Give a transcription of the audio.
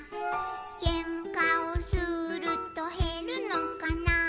「けんかをするとへるのかな」